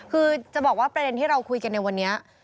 คือจะบอกว่าประเด็นที่เราคุยกันในวันนี้